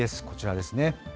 こちらですね。